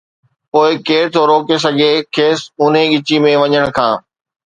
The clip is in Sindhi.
پوءِ ڪير ٿو روڪي سگهي کيس اونهي ڳچي ۾ وڃڻ کان.